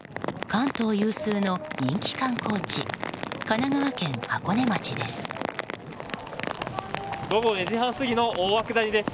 関東有数の人気観光地神奈川県箱根町です。